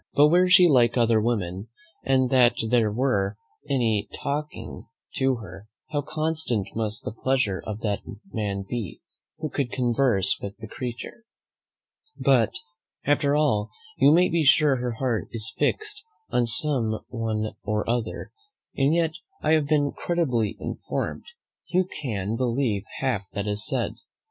But were she like other women, and that there were any talking to her, how constant must the pleasure of that man be, who could converse with the creature But, after all, you may be sure her heart is fixed on some one or other; and yet I have been credibly inform'd; but who can believe half that is said?